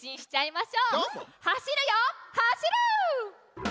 「はしるよはしる」！